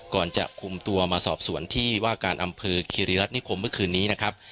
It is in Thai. ก่อนจะคุมตัวมาสอบสวนที่ว่าการอำเภอคิริรัตนิคมเมื่อคืนนี้นะครับ